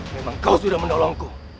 memang kau sudah menolongku